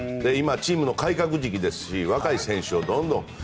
今、チームの改革時期ですし若い選手をどんどん。